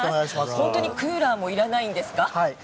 本当にクーラーもいらないんですか？